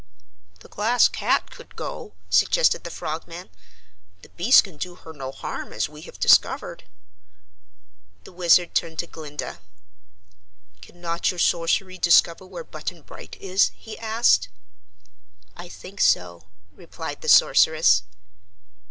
"The Glass Cat could go," suggested the Frogman. "The beasts can do her no harm, as we have discovered." The Wizard turned to Glinda. "Cannot your sorcery discover where Button Bright is?" he asked. "I think so," replied the Sorceress.